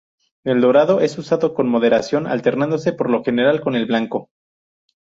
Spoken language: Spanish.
El dorado es usado con moderación, alternándose por lo general con el blanco.